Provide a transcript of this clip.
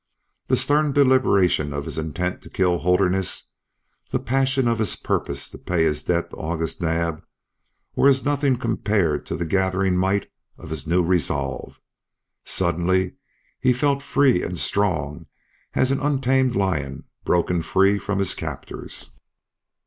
The stern deliberation of his intent to kill Holderness, the passion of his purpose to pay his debt to August Naab, were as nothing compared to the gathering might of this new resolve; suddenly he felt free and strong as an untamed lion broken free from his captors.